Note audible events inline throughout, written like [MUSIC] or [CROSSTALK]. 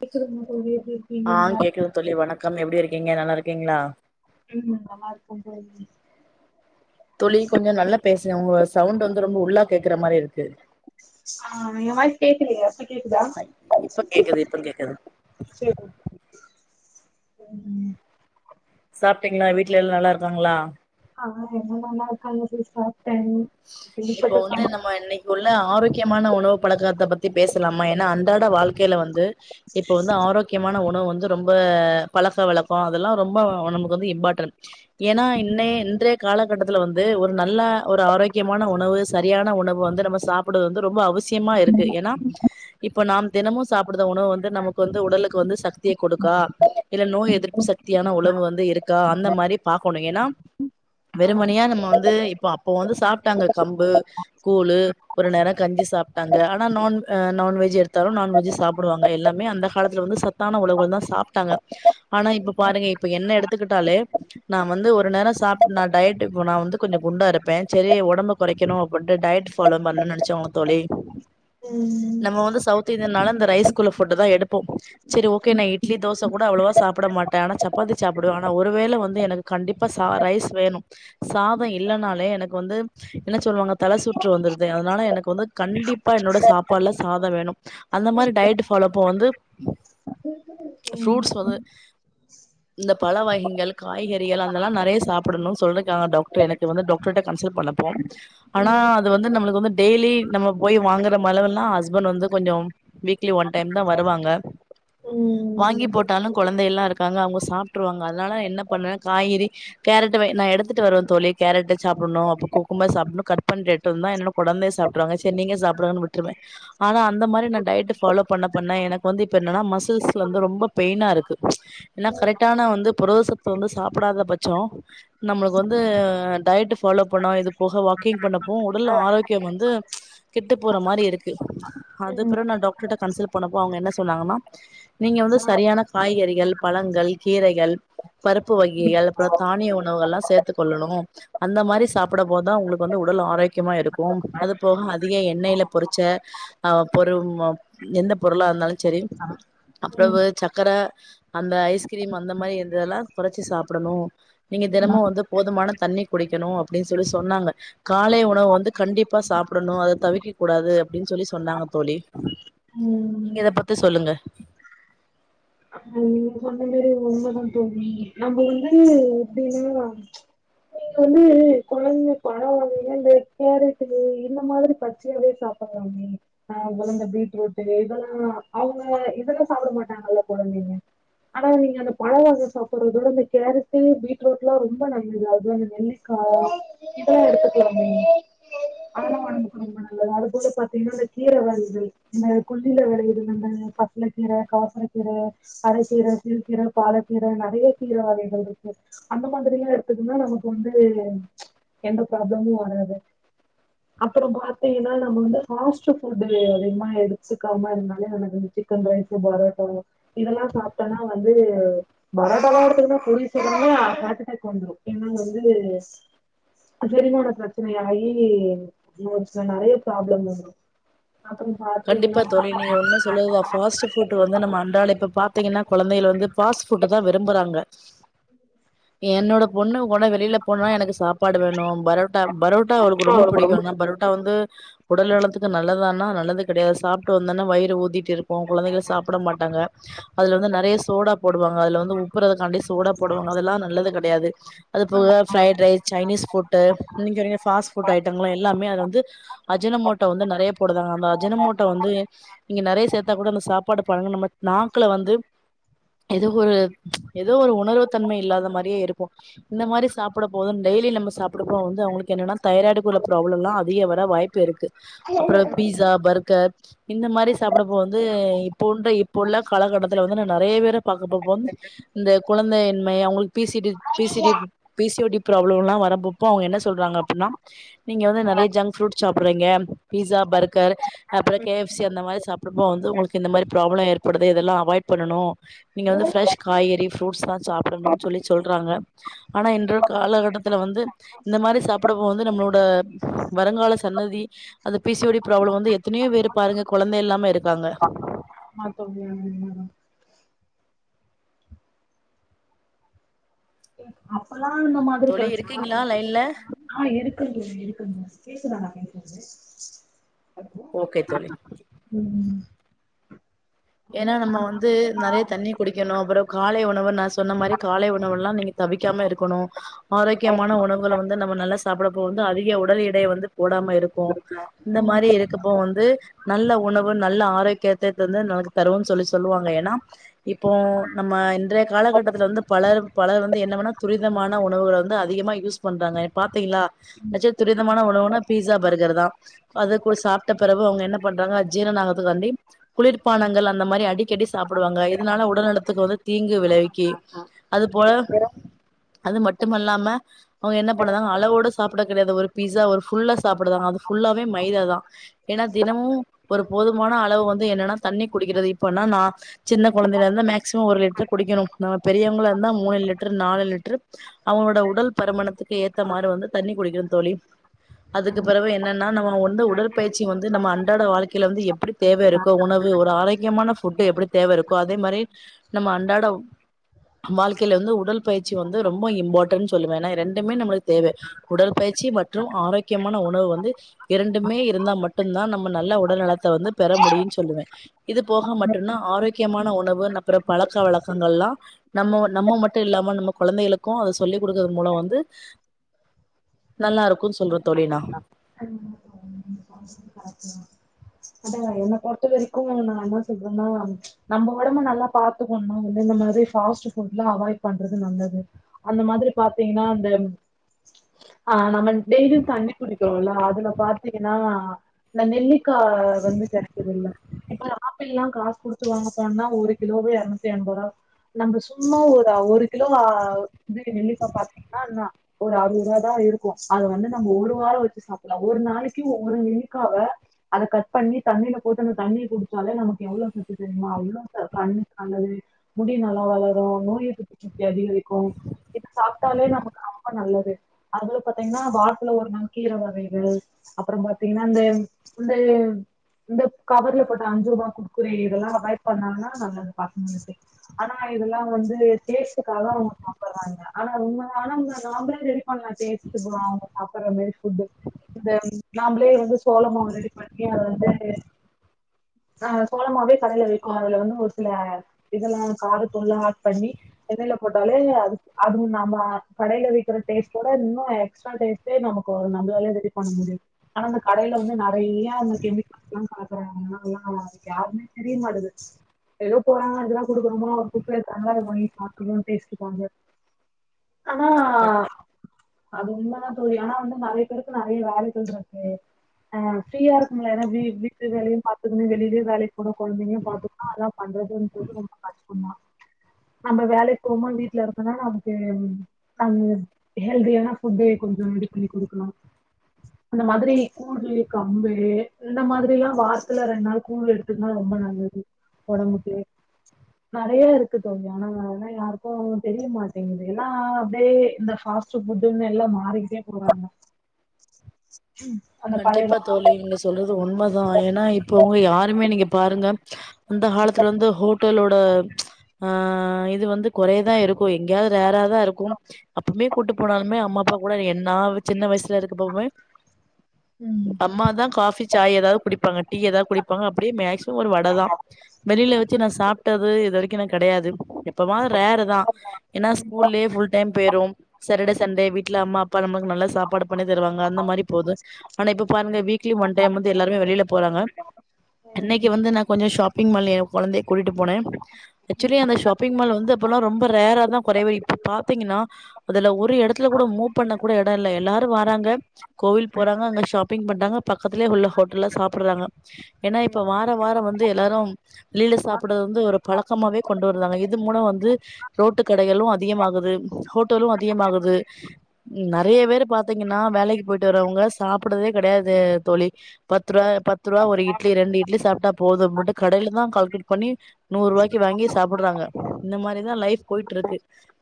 கேக்குதுங்க தோழி எப்டி ஆ இருக்கீங்க நல்லா கேக்குது தோழி வணக்கம் எப்படி இருக்கீங்க நல்லா இருக்கீங்களா ஆ [UNINTELLIGIBLE] தோழி கொஞ்ச நல்லா பேசுங்க உங்க சவுண்ட் வந்து ரொம்ப உள்ளா கேக்குற மாதிரி இருக்கு ஆ என் வாய்ஸ் கேக்கலயா கேக்குதா ஐ இப்ப கேக்குது இப்ப கேக்குது சரி உம் சாப்பிட்டீங்களா வீட்ல எல்லா நல்லா இருக்காங்களா ஆமா எல்லா நல்லா இருக்காங்க சிஸ்டர் இப்போ வந்து நம்ம இன்னைக்கு உள்ள ஆரோக்கிய முக்கியமான உணவு பழக்கத்தை பத்தி பேசலாமா ஏனா அன்றாட வாழ்க்கையில வந்து இப்ப வந்து ஆரோக்கியமான உணவு வந் து ரொம்ப பழக்க வழக்கோ அதெல்லா ரொம்ப நமக்கு வந்த இம்ப்பார்ட்டண்ட் இன்றைய காலகட்டத்துல வந்து ஒரு நல்ல ஒரு ஆரோக்கிய முக்கியமான உணவு சரியான உணவு வந்து நம்ம சாப்புட்றது வந்து ரொம்ப அவசி விசியமா இருக்கு ஏன்னா இப்ப நாம் தினமு சாப்பிடுத உணவு வந்து நமக்கு வந்து உடலுக்கு வந்து சக்திய கொடுக்கா இல்ல நோய் எதிர்ப்பு சக்தியான உணவு வந்து இருக்கா அந்த மாரி பாகக்கணு ஏன்னா சம்பவம் வெறுமனே நம்ம வந்து இப்ப அப்போ வந்து ட்டாங்க கம்பு கூழு ஒரு நேர கஞ்சி சாப் டாங்க ஆனா நான் நான்வெஜ் எடுத் த்தாலு நான்வெஜ் சாப்புடுவாங்க எல்லாமே அந்த காலத்துல வந்து சத் சத்தான உணவுகள் தா சாப்டாங்க ஆனா இப்ப பாருங்க இப்ப என்ன எடுத்துக்கிட்டாலே நா வந்து ஒரு நேரம் சாப் நா டயட் இப்ப நா வந்து கொஞ்சம் குண்டா இருப்பே செரி உட ஒடம்ப கொரைக்கணு அப்டின்ட்டு டயட் ஃபல்லோ பண்ணன்னு நெனைச்சோங்க தோழி ம் நம்ம வந்து சவுத் இந்தியனால இந்த ரைஸ்க்குள்ள ஃப்ட்டதா எடுப்போ சரி ஓகே நா இட்லி தோசை கூட அவ்ளோவா சாப்புட மாட்டே ஆனா சப்பாத்தி சாப்பிடுவே ஆனா ஒருவேல வந்து எனக்கு கண்டிப்பா ரைஸ் வேணு சாதம் இல்லனாலே எனக்கு வந்து என்ன சொல்லுவாங்க தல சுற்று வந்துருது அதனால எனக்கு வந்து கண்டிப்பா என்னோட சாப்பாடுல சாதம் வேணும் அந்த மாதிரி டயட் ஃபாலோப்ப வந்து ம் ம் ம் ஃப்ரூட்ஸ் வந்து இந்த பழ வகைங்கள் காய்கறிகள் அதெல்லா நெறைய சாப்புடணும் சொல்லிருக்காங்க டாக்டரே எனக்கு வந்து டாக்டர்ட்ட கன்சல்ட் பண்ண ப்போம் ஆனா ம் ம் அது வந்து நம்ளுக்கு வந்து டெய்லி நம்ம போய் வாங்கற மளவெல்லா ஹஸ்பண்ட் வந்து கொஞ்சோ வீக்லி ஒன் டைம் தா வருவாங்க வாங்கி போட்டாலு கொழந்தை எல்லா இருக்காங்க அவுங்க சாப்ட்ருவாங்க அதனால என்ன பண்ணே காய்கறி கேரட் நா எடுத்துட்டு வருவே தோழி கேரட் சாப்படணு அப்பு க்கு கும்ப சாப்புனு கட் பண்ட்ரேட்ருந்தே என்னுட கொழந்த சாப்ட்ருவாங்க செரி நீங்ளே சாப்டு விட்டுருவே ஆனா அந்த மாரி நா டயட்டு ஃபாலோ பண்ண பண்ண எனக் வந்து இப்ப என்ன்ன மசில்ஸ் வந்து ரொம்ப பெயினாருக்கு ஏனா கரெக்டான வந்து புரதசத்து வந்து சாப்பிடாத பட்சோ நம்ளுக் வந்து டயட்டு ஃபாலோ பண்ணா இது போக வாக்கிங் பண்ணப்போ உடல் ஆரோக்யம் வந்து கெட்டு போற மாரி இருக்கு அதுப்ற நா டாக்டுர்ட்ட கன்சல் போனப்போ அவுங்க என்ன சொன்னாங்கன்னா நீங்க வந்து சரியான காய்கறிகள் பழங்கள் கீரைகள் பருப்பு வகிகள் அப்ற தானிய உணவுகள்லா சேத்துக் கொல்லனு அந்த மாரி சாப்புட போத் தா உங்களுக்கு வந்து உடல் ஆரோக்கியமா இருக்கு அது போக அதிக எண்ணைல பொரிச்ச ஆ பொரு ஆ எந்த பொருளா இர்ந்தாலு செரி அ பிறவு சக்கர, அந்த ஐஸ்கிரீம் அந்த மாரி இதெல்லா கொறச்சி சாப்பிடணு நீங்க தினமு வந்து போதுமான தண்ணி குடிக்கணு அப்டின் சொல்லி சொன்னாங்க காலை உணவு வந்து கண்டிப்பா சாப்டணு அத தவிக்க கூடாது அப்டின் சொல்லி சொன்னாங்க தோழி நீங்க ம் இத பத்தி சொல்லுங்க ம் நீங்க இப்ப சொன்ன மாரி உண்மதா தோழி நம்ப வந்து எப்டினா அ நீங்களு கொழந்த பழவகைகள் இந்த கேரட்டு இது இந்த மாதிரி பச்சையாவே சாப்பிட்லாமே ஆ வெளஞ்ச பீட்ரூட்டு இதெல்லா அவ்ங்க இதெல்லா சாப்ட மாட்டாங்கல்ல கொழந்தைங்க ஆனா நீங்க அந்த பழ வாங்கி சாப்ட்றத விட இந்த கேரட்டு பீட்ரூட்லா ரொம்ப நல்லது அது அந்த நெல்லிக்கா இதெல்லா எடுத்துக்லாம்மா அதெல்லா உனக்கு ரொம்ப நல்லது அது போல பாத்தீங்னா அந்த கீர வகைகள் இந்த கெள்ளில வெளையுதுல அந்த பசல கீர கார்சர கீர அரக்கீரருக்கு சிறுக்கீர பாலக்கீர நெறய கீர வகைகள் இருக்கு அந்த மாதிரிலா எடுத்துக்குன்னா நமக்கு வந்து எந்த ப்ராப்ளமு வராது அப்பற பாத்தீங்கன்னா நம்ம வந்து ஃபாஸ்ட் ஃபுட்டு அதிகமா எடுத்துக்காம இருந்தாலே நமக்கு வந்து சிக்கன் ரைஸு பரோட்டாவோ இதெல்லா சாப்டனா வந்து வர [INAUDIBLE] ஹார்ட் அட்டாக் வந்துடும் ஏன்னா வந்து செரிமானப்பிரச்சனை ஆயி [UNINTELLIGIBLE] நெறய ப்ராப்ளம் வந்துரு அப்புறோ கண்டிப்பா பாத்தீங்கன்னா தோழி ஆமா நீங்க உண்ம சொல்றதுதா பாஸ்ட்டு புட்டு வந்து நம்ம அன்றாட இப்ப பாத் தீங்கன்னா கொழந்தைளு வந்து ஃபாஸ்ட்ஃபுட்ட தா விரும்புறாங்க என்னோட பொண்ணு கூட வெளில போனா எனக்கு சாப்பாடு வேணு பரோட்டா பரோட்டா அவ்ளுக்கு ரொம்ப புடிக்கோ ஆனா பரோட்டா வந்து உடல் நலத்துக்கு நல்லதானா நல்லது கெடயா சாப்டு வந்தன்னா வைறு ஊதி இருக்கோ குழந்தைக சாப்ட மாட்டாங்க அதுல வந்து நறைய சோடா போடுவாங்க அதுல வந்து உப்புற காண்டி சோடா போடுவாங்க அதெல்லா நல்லது க டையாது அது போக ஃபிரைட் ரைஸ் சைனீஸ் ஃபுட்டு நீங்கரிக ஃபாஸ்ஃபுட் ஐட்டங்ள எல்லாமே அத வந் ந்து அஜின மோட்டோ வந்து நெறைய போடுதாங்க அந்த மோட்டோ வந்து நீங்க நறைய சேத்தா கூட அந்த சாப்பாடு பழங்க நம்ம நாக்ல வந்து ஏதோ ஒரு ஏதோ ஒரு உணர்வு தன்ம இல்லாத மாரியே இருக்கோ இந்த மாரி சாப்புட போது டெய்லி நம்ம சாப்டப்போ வந்து அவங்களுக்கு என்னன்னா தைராய்டுக்குள்ள ப்ராப்ளம்லா அதிக வர வாய்ப்பு இருக்கு அப்புறோ பீஸா பர்க்கர் இந்த மாரி சாப்பிடப்போ வந்து இப்போன்ற இப்போ உள்ள காலகட்டத்துல வந்து நா நறைய பேர பாக்கப்போ பந்த் இந்த கொழந்தயின்மை அவங்கள்க் P C D P C D P C O D ப்ராப்ளலா வரப்பொப்போ அவங்க என்ன சொல்றாங்க அப்பின்னா நீங்க வந்து நறைய ஜங்க்ஃப்ரூட் சாப் ரிங்க பீஸா பர்கர் அப்றோ கே எஃப் சி அந்த மாரி சாப்டு போ வந்து உங்களுக்கு இந்த ம ரி ப்ராப்ளோ ஏற்படுது இதெல்லா அவாய்ட் பண்ணனு நீங்க வந்து ஃப்ரெஷ் காய்கறி [UNINTELLIGIBLE] சாப்டணுன் சொல்லி சொல்றாங்க ஆனா இன்ற காலகட்டத் துல வந்து இந்த மாரி சாப்பிடபோ வந்து நம்ளோட வருங்கால சன்னதி அது பீ சி ஓ டி ப்ராப்ளோ வந்து எ த்தனையோ பேரு பாருங்க கொழந்த இல்லாம இருக்காங்க [INAUDIBLE] [INAUDIBLE] ப்பலா அந்த மாதிரி தோழி பச்ச இருக்கீங்களா லைன்ல ஆ இருக் இருக்கங்க இருக்கங்க கேக்குதா நா பேசற்து ஓக்கே தோழி ம் ஏன்னா நம்ம வந்து நறைய தண்ணி குடி க்கணோ அப்புற காலை உணவ நா சொன்ன மாரி காலை உணவுல்லா நீங்க தவிக்காம இருக்கணு ஆரோக்கியமான உணவுகள வந்து நம்ம நல்லா சாப்டப்போ வந்து அதிக உடல் எடய வந்து போடாம இருக்கு இந்த மாரி இருக்கப்போ வந்து நல்ல உணவு நல்ல ஆரோக்யத்ததந்து நாது தருவோன் சொல்லி சொல்லுவாங்க ஏனா இப்போ நம்ம இன்றைய காலகட்டத்துல வந்து பலர் பலர் வந்து என்னவெனா துரிதமான உணவுகள வந்து அதிகமா யூஸ் பண்றாங்க பாத்தீங்க்ளா [UNINTELLIGIBLE] துரிதமான உணவுனா பீஸா பர்கர் தா அதுக்கு சாப்ட்ட பெரவு அவங்க என்ன பண்றாங்க ஜீரன ஆகத்துக்காண்டி குளிர்ப்பானங் கள் அந்தமாரிஅடிக்கடி சாப்டுவாங்க இதனால உடல் நலத்துக்கு வந்து தீங்கு விளைவிக்கி அது போல அது மட்டுமல்லாம அவுங்க என்ன பண்ணுதா அளவோட சாப்ட கெடயாது ஒரு பீஸா ஒரு ஃபுல்லா சாப்புடுதாங்க அது ஃபுல்லா மே மைதா தா ஏனா தினமும் ஒரு போதுமான அளவு வந்து என்னன்னா தண்ணி குடிக்குறது இப்ப நா சின்ன கொழந்தைலந்து மேக்சிமம் ஒரு லிட்ரு குடிக்கணோ நம்ம பெரியவுங்ளா ந்தா மூணு லிட்ரு நாலு லிட்ரு அவுங்ளோட உடல் பருமணத்துக்கு ஏத்த மாரி வந்து தண்ணி குடிக்கணோ தோழி அதுக்கு பெறவு என்னன்னா நம்ம ஒன்னு உடற்பயிற்சி வந்து நம்ம அன்றாட வாழ்க்கைல வந்து எப்டி தேவ இருக்கோ உணவு ஒரு ஆரோக்கியமான ஃபுட்டு் எப்டி தேவை இருக்கோ அதே மாரி நம்ம அண்டாட வாழ்க்கைல வந்து உடல் பயிற்சி வந்து ரொம்ப இம்பார்டன் சொல்லுவே ஏன்னா ரெண்டுமே நம்மளுக்கு தேவ உடற்பயிற்சி மற்றும் ஆரோக்கியமான உணவு வந்து இரண்டுமே இருந்தா மட்டும்தா நம்ம நல்ல உடல்நலத்த வந்து பெற முடியும்னு சொல்லுவ இது போக மட்டும்னா ஆரோக்கியமான உணவு நப்புறோ பழக்க வழக்கங்கள்லா நம்ம நம்ம மட்டோ இல்லாம நம்ம கொழந்தைகளுக்கோ அத சொல்லிக் குடுக்கறது மூலோ வந்து நல்லா இருக்கோ சொல்ற தோழி நா அதா என்னை பொறுத்த வரைக்கோ நா என்ன சொல்றேன்னா நம்ம ஒடம்பு நல்லா பாத்துக்கொணோ வந்து இந்த மாதி ஃபாஸ்ட் ஃபுட்லா அவாய்ட் பண்றது நல்லது அந்த மாதிரி பாத்தீங்கன்னா அந்த அ நம்ம டெய்லியு தண்ணி குடிக்கணும்லா அதுல பாத்தீங்னா னா இந்த நெல்லிக்கா வந்து கெடைக்குதுல இப்ப ஆப்பிள்லா காசு குடுத்து வாங்க போனா ஒரு கிலோவே இரநூத்தி எம்ப ரூபா நம்ம சும்மா ஒரு ஒரு கிலோ ஆ இது நெல்லிக்கா பாத்தீங்கன்னா என்னா ஒரு அறுபது ரூவா தா இருக்கோ அத வந்து நம்ம ஒரு வாரோ வெச்சு சாப்லா ஒரு நாளைக் க்கு ஒரு நெல்லிக்காவ அத கட் பண்ணி தண்ணீல போட்டு அந்த தண்ணிய குடிச்சாலே நமக்கு எவ்வளவு சத்து தெரியுமா அவ்ளோ க கண்ணுக்கு நல்லது முடி நல்லா வளரோ நோய் எதிர்ப்புசக்தி அதிகரிக்கோ இத சாப்டாலே நமக்கு ரொம்ப நல்லது அதுல பாத்தீங்கன்னா வாரத்துல ஒரு நாள் கீர வகைகள் அப்புறோ பாத்தீங்கன்னா அந்த இந்தே இந்த கவர்ல போட்ட அஞ்சு ரூபா குர்குறே இதெல்லா அவாய்ட் பண்ணாங்கன்னா நல்லது பாக்கணும்க்கு ஆனா இதெல்லா வந்து டேஸ்ட்காக அவுங்க சாப்பிடுறாங்க ஆனா உண்மையான நாமளே ரெடி பண்ணலாம்ல அவுங்க சாப்பிடுற மாதி ஃபுட்டு இந்த நாம்ளே வந்து சோளமாவு ரெடி பண்ணி அது வந்து அ சோளமாவே கடையில விக்கோ அதுல வந்து ஒரு சில இதெல்லா காரத் தூள்லா ஆட் பண்ணி எண்ணெய்ல போட்டாலே அது அது நம்ம கடைல விக்கிற டேஸ்ட்டோட இன்னோ எக்ஸ்ட்ரா டேஸ்ட்டே நமக்கு நம்மளாலே ரெடி பண்ண முடியோ ஆனா அந்த கடையில வந்து நறைய அந்த கெமிக்கல்ஸலா ஆட் பன்றாங்க அதன எல்லா அதுக்கு யாருமே தெரிய மாட்டேது ஏதோ போறாங்க எதெல்லா குடுக்கறோமோ குப்பை இருக்காத [UNINTELLIGIBLE] டேஸ்ட்காக ஆனா நா அது உண்மைதா தோழி ஆனா வந்து நெறைய பேருக்கு நெறைய வேலைகள் இருக்கு அ ஃப்ரீயா இருக்குங்கள எனர்ஜி வீட்டு வேலையு பாத்துக்கணோ வெளியிலயும் வேலைக்கு போணோ கொழந்தைங்களையு பாத்துக்கணா அதா பண்றதுன்றது ரொம்ப கஷ்டோதா நம்ம வேலைக்கு போமா வீட்ல இருக்கன்னா நமக்கு அ ஹெல்தியான ஃபுட்டு கொஞ்சோ ரெடி பண்ணி குடுக்கலா அந்த மாதிரி கூலு கம்பு இந்த மாதிரிலா வாரத்துல ரெண்டு நாள் கூழ் எடுத்துக்குனா ரொம்ப நல்லது ஒடம்புக்கு நறைய இருக்கு தோழி ஆனாலா யாருக்கோ தெரியமாட்டேங்குது எல்லா அப்டியே இந்த ஃபார்ஸ்ட் ஃபுட்டுனு எல்லா மாறிகிட்டே போறாங்க அந்த பழைய கண்டிப்பா வா- தோழி நீங்க சொல்றது உண்மதா ஏன்னா இப்ப உங்க யாருமே நீங்க பாருங்க அந்த காலத்துல வந்து ஹோட்டலோ [UNINTELLIGIBLE] ஆ இது வந்து குறையதா இருக்கோ எங்கேயாவது ரேரா தா இருக்கும் அப்பமே கூட்டு போனாலுமே அம்மா அப்பா கூட என்னா சின்ன வயசுல இருக்கப்பவுமே ம் அம்மாதா காஃபி சாய் ஏதாவது குடிப்பாங்க டீ ஏதா குடிப்பாங்க அப்டி மேக்ஸ் ஒரு வடை தா வெளில வெச்சு நா சாப்டது இது வரைக்கோ நா கெடையாது [UNINTELLIGIBLE] எப்பமாது ரேரு தா ஏன்னா ஸ்கூல்லே ஃபுல் டைம் போய்ரோ சாட்டர்டே சண்டே வீட்ல அம்மாப் [UNINTELLIGIBLE] நல்லா சாப்பாடு பண்ணி தருவாங்க அந்த மாதிரி போது ஆனா இப்ப பாருங்க வீக்லி ஒன் டைம் வந்து எல்லாருமே வெளில போறாங்க இன்னைக்கு வந்து நா கொஞ்சோ ஷாப்பிங் மால்ல என் கொழந்தைய கூட்டிட்டு போனே ஆக்சுவலி அந்த ஷாப்பிங் மால் வந்து அப்பல்லா ரொம்ப ரேரா தான் குறைவு இப்ப பாத்தீங்கன்னா அதுல ஒரு எடத்துல கூட மூவ் பண்ண கூட எடோ இல்ல எல்லாரோ வாராங்க கோவில் போறாங்க அங்க ஷாப்பிங் பண்றாங்க பக்கத்துலே உள்ள ஹோட்டல்ல சாப்டுறாங்க ஏன்னா இப்ப வாரோ வாரோ வந் து எல்லாரோ வெளில சாப்டுறது வந்து ஒரு பழக்கமாவே கொண்டு வராங்க இது மூலமா வந் து ரோட்டு கடைகளு அதிகமாகுது ஹோட்டலு அதிகமாகுது நெறைய பேர் பாத்தீங்கன்னா வேலைக்கு போயிட்டு வரவுங்க சாப்டுதே கெடையாது தோழி பத்து ரூவா தா பத் பத்து ருவா ஒரு இட்லி ரெண்டு இட்லி சாப்டா போதும்முடு கடைல தா கால் கி பண்ணி நூறு ருவாய்க்கு வாங்கி சாப்புட்றாங்க இந்த மாரிதா லைஃப் போயிட்ருக்கு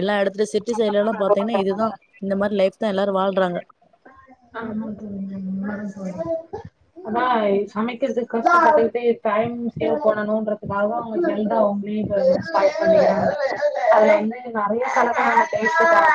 எல்லா எடத் இந்த சிட்டி சைட்லெல்லா பாத்தீங்கன்னா இதுதா இந்த மாரி லைஃப் தா எல்லாரு வாழ்ந் றாங்க ஆமாங்க தோழி உணாமதா தோழி அதா இ சமைக்கர்துக்கு கஷ்டப்பட்டுக் டைம் சேவ் பண்ணணு றதுக்காக அவுங்க [INAUDIBLE] அவங்களே [UNINTELLIGIBLE] அதுல வந்து நெறயா எடத்துல டேஸ்ட் பாத்தா